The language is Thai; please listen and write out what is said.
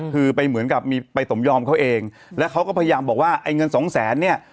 คือไปเหมือนกับมีไปสมยอมเขาเองแล้วเขาก็พยายามบอกว่าไอ้เงินสองแสนเนี่ย